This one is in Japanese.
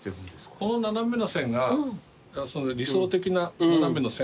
この斜めの線が理想的な斜めの線。